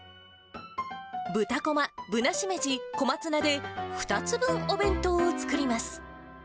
豚こま、ぶなしめじ、小松菜で２つ分お弁当を作ります。